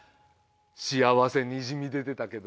幸せにじみ出てたけど？